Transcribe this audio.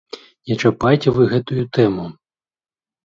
Не чапайце вы гэтую тэму!